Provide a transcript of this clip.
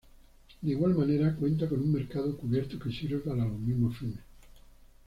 De igual manera, cuenta con un mercado cubierto que sirve para los mismos fines.